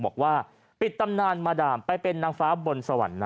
บอกว่าปิดตำนานมาดามไปเป็นนางฟ้าบนสวรรค์นะ